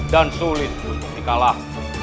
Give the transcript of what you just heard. dan sulit untuk dikalah